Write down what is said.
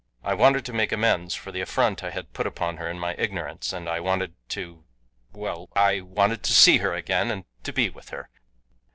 I wanted to make amends for the affront I had put upon her in my ignorance, and I wanted to well, I wanted to see her again, and to be with her.